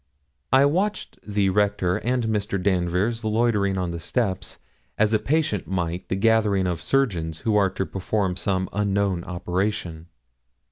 I watched the Rector and Mr. Danvers loitering on the steps as a patient might the gathering of surgeons who are to perform some unknown operation.